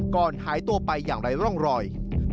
ก่อนหายตัวไปอย่างไร้ร่องรอย